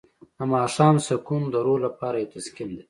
د ماښام سکون د روح لپاره یو تسکین دی.